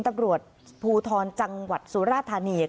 ตำรวจภูทรจังหวัดสุราธานี